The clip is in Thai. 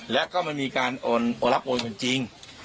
และก็มันมีการโอนรับโอนกันจริง